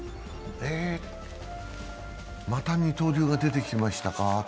えっ、また二刀流が出てきましたか？